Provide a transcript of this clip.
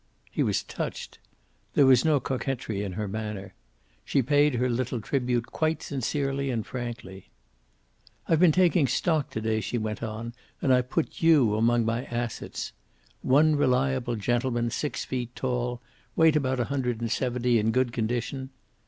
He was touched. There was no coquetry in her manner. She paid her little tribute quite sincerely and frankly. "I've been taking stock to day," she went on, "and I put you among my assets. One reliable gentleman, six feet tall, weight about a hundred and seventy, in good condition.